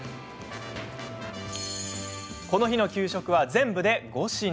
この日の給食は全部で５品。